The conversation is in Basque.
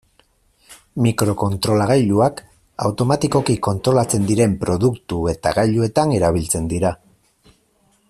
Mikrokontrolagailuak automatikoki kontrolatzen diren produktu eta gailuetan erabiltzen dira.